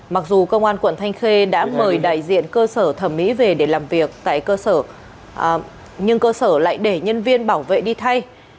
mặc dù công an quận thanh khê đã mời đại diện cơ sở thẩm mỹ về để làm việc tại cơ sở nhưng cơ sở lại để nhân viên bảo vệ đi thay